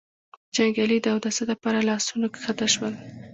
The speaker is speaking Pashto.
جنګيالي د اوداسه له پاره له آسونو کښته شول.